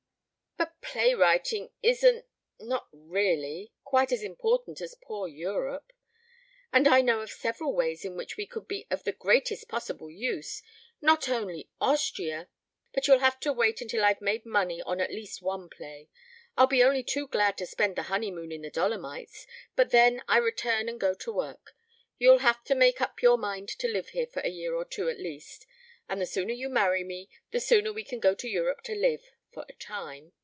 "But playwrighting isn't not really quite as important as poor Europe. And I know of several ways in which we could be of the greatest possible use. Not only Austria " "Perhaps. But you'll have to wait until I've made money on at least one play. I'll be only too glad to spend the honeymoon in the Dolomites, but then I return and go to work. You'll have to make up your mind to live here for a year or two at least. And the sooner you marry me, the sooner we can go to Europe to live for a time.